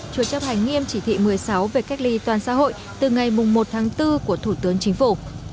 chưa chấp hành nghiêm chỉ thị một mươi sáu về cách ly toàn xã hội từ ngày một tháng bốn của thủ tướng chính phủ